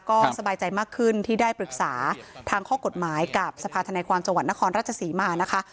ก็สบายใจมากขึ้นที่ได้ปรึกษาทางข้อกฎหมายกับสภาธนาความจังหวัดนครราชศรีมานะคะ